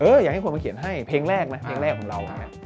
อยากให้คนมาเขียนให้เพลงแรกนะเพลงแรกของเรา